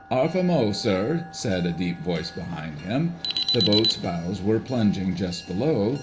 "'Arf a mo', sir," said a deep voice behind him. The boat's bows were plunging just below